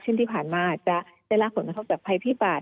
ซึ่งที่ผ่านมาจะได้รับผลกระทบจากภัยพิบาล